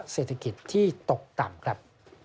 เศรษฐกิจที่ตกต่ำครับ